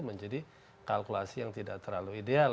menjadi kalkulasi yang tidak terlalu ideal